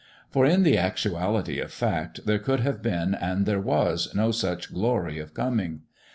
For in the actuality of fact there could have been and there was no such glory of coming.